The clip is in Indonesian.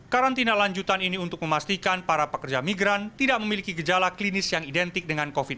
karantina lanjutan ini untuk memastikan para pekerja migran tidak memiliki gejala klinis yang identik dengan covid sembilan belas